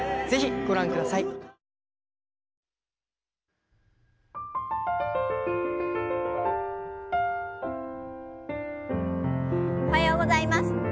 おはようございます。